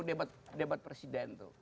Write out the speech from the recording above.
ini debat presiden itu